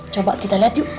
coba kita liat yuk